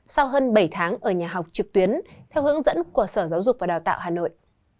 sau hơn bảy tháng ở nhà học trực tuyến theo hướng dẫn của sở giáo dục và đào tạo hà nội